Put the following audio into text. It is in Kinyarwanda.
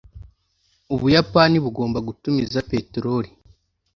ubuyapani bugomba gutumiza peteroli